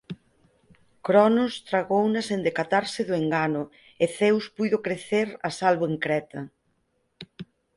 Cronos tragouna sen decatarse do engano e Zeus puido crecer a salvo en Creta.